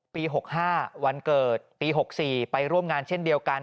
ปี๖๕วันเกิดปี๖๔ไปร่วมงานเช่นเดียวกัน